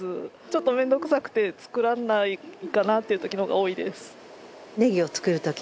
ちょっと面倒くさくて作らないかなっていう時の方が多いです。